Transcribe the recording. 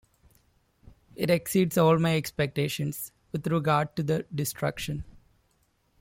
It exceeds all my expectations, with regard to the destruction.